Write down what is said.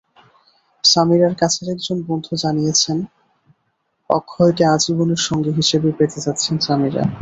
সামিরার কাছের একজন বন্ধু জানিয়েছেন, অক্ষয়কে আজীবনের সঙ্গী হিসেবে পেতে যাচ্ছেন সামিরা।